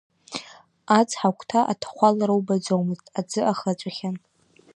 Ацҳа агәҭа аҭахәалара убаӡомызт аӡы ахыҵәахьан.